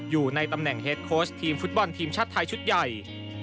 อยู่ในตำแหน่งเฮดโค้ชทีมฟุตบอลทีมชาติไทยชุดใหญ่